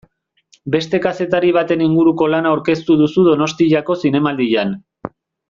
Beste kazetari baten inguruko lana aurkeztuko duzu Donostiako Zinemaldian.